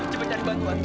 coba cari bantuan